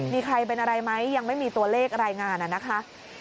มีใครเป็นอะไรไหมยังไม่มีตัวเลขรายงานนะคะ